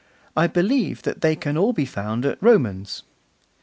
I believe that they can all be found at Roman's.